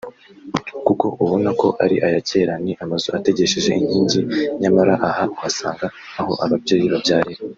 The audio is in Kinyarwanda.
kuko ubona ko ari aya kera ni amazu ategesheje inkingi nyamara aha uhasanga aho ababyeyi babyarira